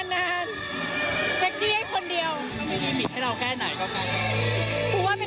ซึ่งปูเซ็กซี่ขนาดนี้ไหม